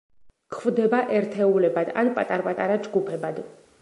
გვხვდება ერთეულებად ან პატარ-პატარა ჯგუფებად.